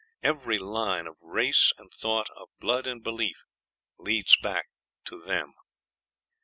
Every line of race and thought, of blood and belief, leads back to them.